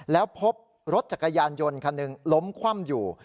แล้วพบรถจักรยานยนต์คันหนึ่งล้มคว่ำอยู่